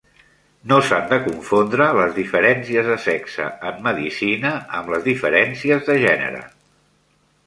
No s'han de confondre les diferències de sexe en medicina amb les diferències de gènere.